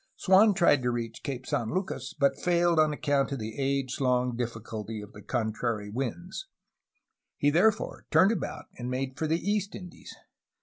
Swan tried to reach Cape San Lucas, but failed on account of the age long difficulty of the contrary winds. He therefore turned about, and made for the East Indies.